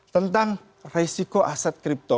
tentang risiko aset kripto